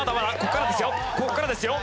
ここからですよ。